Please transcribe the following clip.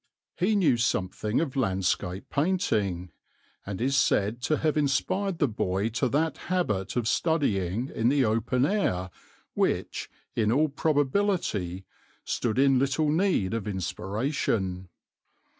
He knew something of landscape painting, and is said to have inspired the boy to that habit of studying in the open air which, in all probability, stood in little need of inspiration.